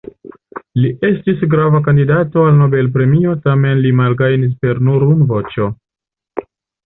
Li estis grava kandidato al Nobel-premio tamen li malgajnis per nur unu voĉo.